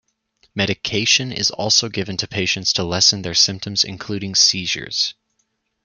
Medication is also given to patients to lessen their symptoms including seizures.